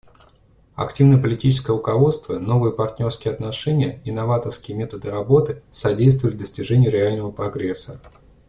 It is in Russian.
Активное политическое руководство, новые партнерские отношения и новаторские методы работы содействовали достижению реального прогресса.